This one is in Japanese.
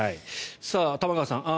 玉川さん